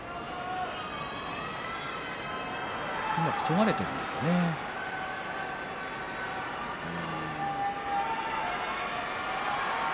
うまくそがれているんですよね勢いを。